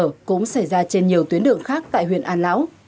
lở cũng xảy ra trên nhiều tuyến đường khác tại huyện an lão